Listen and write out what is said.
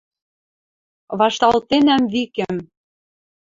вашаталтенӓм викӹм